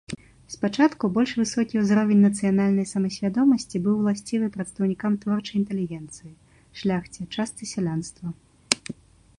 Спачатку больш высокі ўзровень нацыянальнай самасвядомасці быў уласцівы прадстаўнікам творчай інтэлігенцыі, шляхце, частцы сялянства.